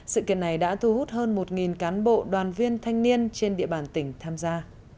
sự kiện này đã thu hút hơn một cán bộ đoàn viên thanh niên trên địa bàn tỉnh tham gia